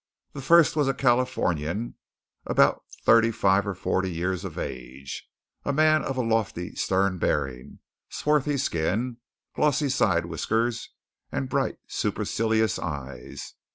The first was a Californian about thirty five or forty years of age, a man of a lofty, stern bearing, swarthy skin, glossy side whiskers, and bright supercilious eyes.